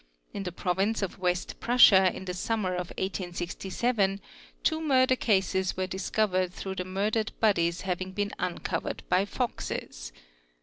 In the Province of West russia in the summer of 1867 two murder cases were discovered through nd ;, ERE SE 4 murdered bodies having been uncovered by foxes.